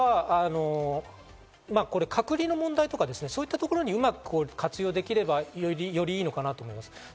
隔離の問題とか、そういったところにうまく活用できればよりいいのかなと思います。